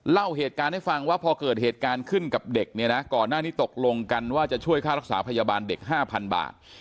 เล่าเหตุการณ์ให้ฟังว่าพอเกิดเหตุการณ์ขึ้นกับเด็กเนี่ยนะก่อนหน้านี้ตกลงกันว่าจะช่วยค่ารักษาพยาบาลเด็ก๕๐๐บาท